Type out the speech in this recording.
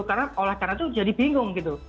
karena olah karena itu jadi bingung gitu